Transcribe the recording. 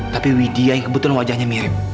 tapi widya yang kebutuhan wajahnya mirip